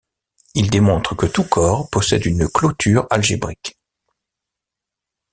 Il démontre que tout corps possède une clôture algébrique.